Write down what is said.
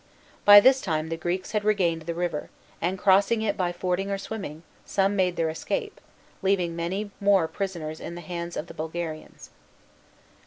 By this time the Greeks had regained the river, and crossing it by fording or swimming, some made their escape, leaving many more prisoners in the hands of the Bulgarians.